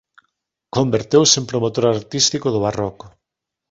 Converteuse en promotor artístico do barroco.